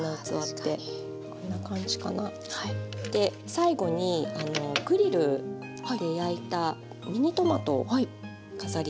最後にグリルで焼いたミニトマトを飾りつけします。